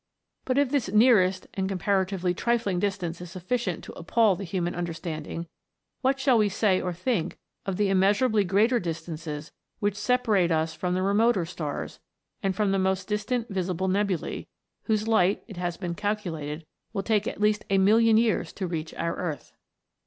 But if this nearest and compa ratively trifling distance is sufficient to appal the human understanding, what shall we say or think of the immeasurably greater distances which separate us from the remoter stars, and from the most dis tant visible nebulae, whose light, it has been calcu lated, will take at least a million years to reach our earth